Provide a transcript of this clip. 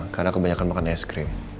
karena kebanyakan makan es krim